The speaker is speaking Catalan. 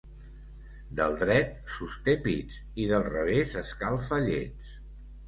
Del dret sosté pits i del revés escalfa llets.